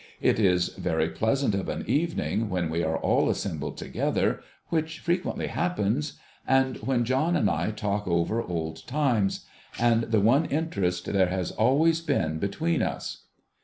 It is very pleasant of an evening, when we are all assembled together — which frequently happens — and when John and I talk over old times, and the one interest there has always been between us.